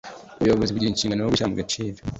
ubuyobozi bugira inshingano yo gushyira mu gaciro